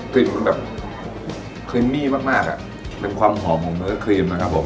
กลิ่นมันแบบครีมมี่มากมากอ่ะเป็นความหอมของเนื้อครีมนะครับผม